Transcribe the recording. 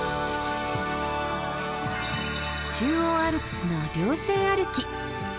中央アルプスの稜線歩き。